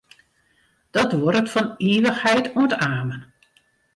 Dat duorret fan ivichheid oant amen.